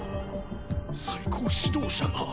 最高指導者が。